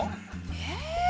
え？